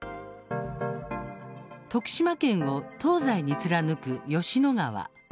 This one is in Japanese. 徳島県を東西に貫く吉野川。